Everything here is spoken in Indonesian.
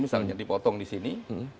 misalnya dipotong disini